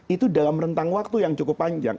itu dalam rentang waktu yang cukup panjang